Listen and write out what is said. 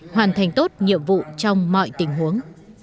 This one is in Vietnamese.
hoàn thành tốt nhiệm vụ trong mọi tình huống